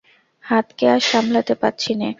হাতকে আর সামলাতে পাচ্ছি নে।